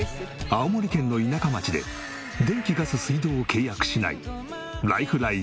青森県の田舎町で電気ガス水道を契約しないライフライン０円生活。